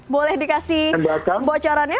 boleh dikasih bocorannya